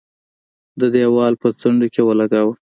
د دېوال په څنډه کې ولګاوه.